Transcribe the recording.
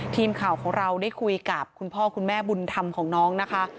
ทีมข่าวของเราได้คุยกับคุณพ่อคุณแม่บุญธรรมของน้องนะคะ